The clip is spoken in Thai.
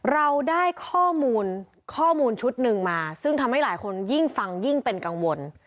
เราได้ข้อมูลข้อมูลชุดหนึ่งมาซึ่งทำให้หลายคนยิ่งฟังยิ่งเป็นกังวล